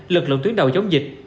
lực lượng tuyến đầu chống dịch